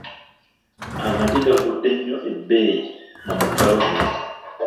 Amaggi gagudde nnyo ebbeeyi mu muggalo guno.